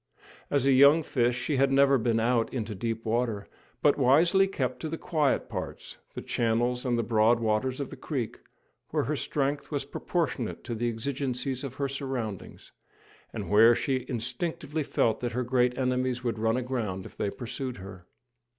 As a young fish she had never been out into deep water, but wisely kept to the quiet parts the channels and the broad waters of the creek, where her strength was proportionate to the exigencies of her surroundings, and where she instinctively felt that her great enemies would run aground if they pursued her.